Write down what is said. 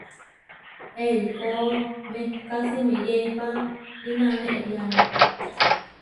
Eikó mehká simiyéipa kinanériane.